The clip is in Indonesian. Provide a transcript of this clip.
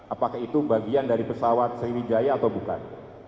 apakah itu bagian dari pesawat sriwijaya atau bukan